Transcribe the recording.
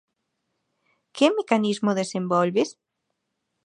Que mecanismo desenvolves?